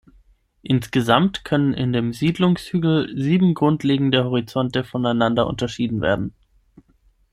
Insgesamt können in dem Siedlungshügel sieben grundlegende Horizonte voneinander unterschieden werden.